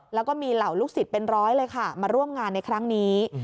และมีเหล่าลูกศิษย์เป็นร้อยมาร่วมงานคลิป